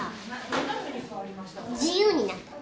自由になった？